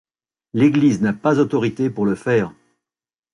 L'Église n'a pas autorité pour le faire.